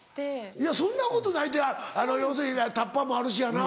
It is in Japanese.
いやそんなことないって要するにタッパもあるしやな。